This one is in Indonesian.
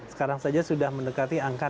sekarang saja sudah mendekati angka